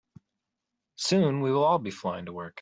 Soon, we will all be flying to work.